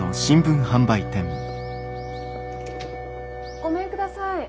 ごめんください。